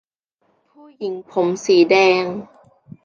ผู้หญิงผมสีแดง